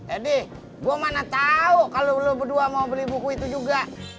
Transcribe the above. edi gua mana tahu kalau lu berdua mau beli buku itu juga